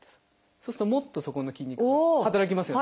そうするともっとそこの筋肉が働きますよね。